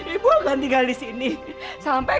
ibu akan tinggal di sini